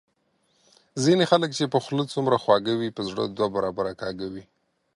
ځینی خلګ چي په خوله څومره خواږه وي په زړه دوه برابره کاږه وي